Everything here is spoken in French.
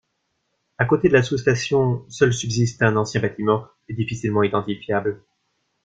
À côté de la sous station seul subsiste un ancien bâtiment difficilement identifiable.